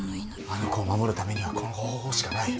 あの子を守るためにはこの方法しかない。